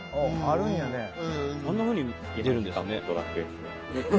あんなふうに出るんですね。